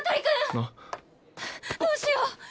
どうしよう！